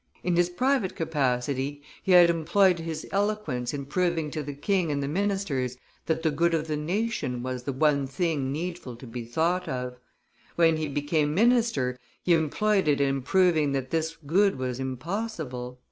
In his private capacity he had employed his eloquence in proving to the king and the ministers that the good of the nation was the one thing needful to be thought of; when he became minister, he employed it in proving that this good was impossible."